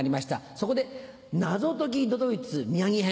そこで謎解き都々逸宮城編。